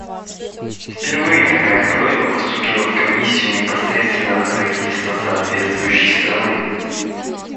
Впервые такая просьба поступила в Комиссию непосредственно от правительства соответствующей страны.